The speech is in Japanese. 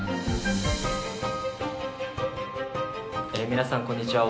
皆さんこんにちは。